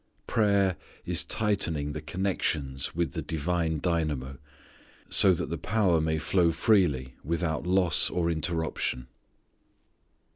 Prayer is tightening the connections with the divine dynamo so that the power may flow freely without loss or interruption.